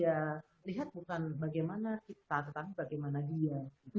yang dia lihat bukan bagaimana kita tetapi bagaimana dia